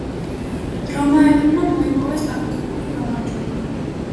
რომაელებმა მოიპოვეს ტაქტიკური გამარჯვება.